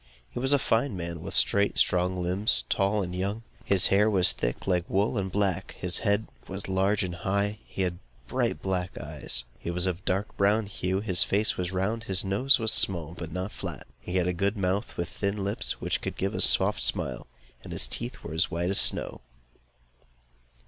He was a fine man, with straight strong limbs, tall, and young. His hair was thick, like wool, and black. His head was large and high; and he had bright black eyes. He was of a dark brown hue; his face was round, and his nose small, but not flat; he had a good mouth with thin lips, with which he could give a soft smile; and his teeth were as white as snow.